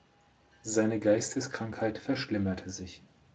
Seine Geisteskrankheit verschlimmerte sich.